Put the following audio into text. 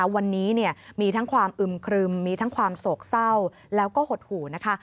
วันนี้มีทั้งความอึมครึมมีทั้งความโศกเศร้าแล้วก็หดหูนะคะ